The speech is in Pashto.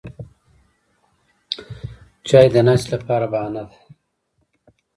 چای د ناستې لپاره بهانه ده